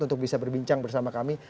untuk bisa berbincang bersama kami